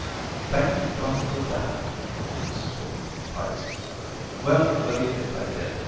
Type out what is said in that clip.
* Thank God for that !' said Mrs Griffith, piously. 'Well, what d'you think I did?